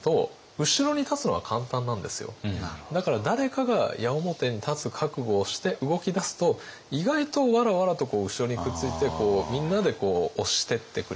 でもだから誰かが矢面に立つ覚悟をして動き出すと意外とわらわらと後ろにくっついてみんなで押してってくれるっていう。